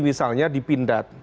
misalnya di pindad